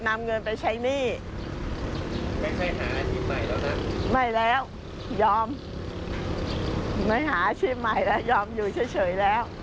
ไม่แล้วยอมไม่หาชีพใหม่แล้วยอมอยู่เฉยแล้ว